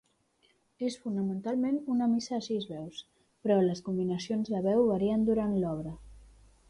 És fonamentalment una missa a sis veus, però les combinacions de veu varien durant l'obra.